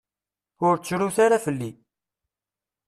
Ur ttrut ara fell-i.